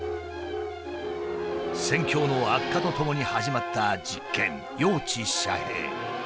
戦況の悪化とともに始まった実験要地遮蔽。